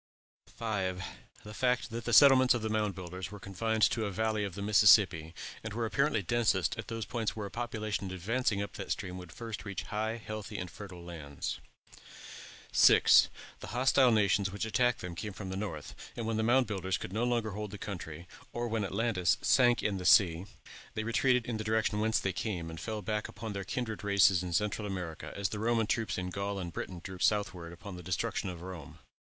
5. The fact that the settlements of the Mound Builders were confined to the valley of the Mississippi, and were apparently densest at those points where a population advancing up that, stream would first reach high, healthy, and fertile lands. 6. The hostile nations which attacked them came from the north; and when the Mound Builders could no longer hold the country, or when Atlantis sank in the sea, they retreated in the direction whence they came, and fell back upon their kindred races in Central America, as the Roman troops in Gaul and Britain drew southward upon the destruction of Rome.